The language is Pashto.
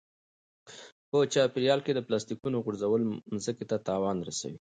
په چاپیریال کې د پلاستیکونو غورځول مځکې ته تاوان رسوي.